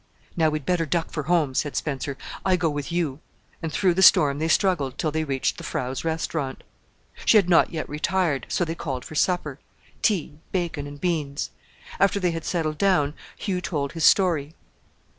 "Now we'd better duck for home," said Spencer. "I go with you"; and through the storm they struggled till they reached the Frau's restaurant. She had not yet retired, so they called for supper tea, bacon, and beans. After they had settled down Hugh told his story.